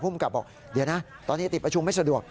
หรือผู้กำกัดบอกเดี๋ยวนะตอนนี้ติดประชุมไม่สะดวก